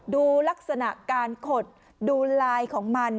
ดูลักษณะการขดดูลายของมัน